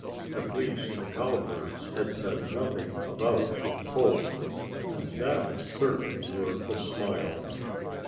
At least, the cowbirds had said nothing about her poke. And that was certainly worth a smile.